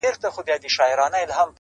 تاریخي شخصیتونه تل یادېږي